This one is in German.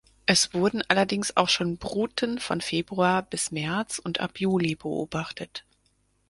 Es wurden allerdings auch schon Bruten von Februar bis März und ab Juli beobachtet.